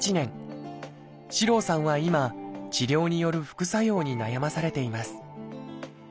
四郎さんは今治療による副作用に悩まされています。